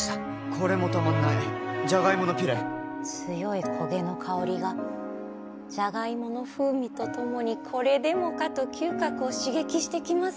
これもたまんないじゃがいものピュレ強い焦げの香りがじゃがいもの風味とともにこれでもかと嗅覚を刺激してきます